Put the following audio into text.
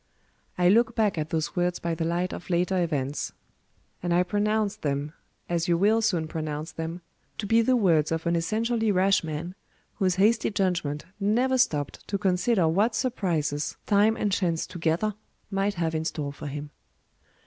I look back at those words by the light of later events; and I pronounce them, as you will soon pronounce them, to be the words of an essentially rash man, whose hasty judgment never stopped to consider what surprises time and chance together might have in store for him.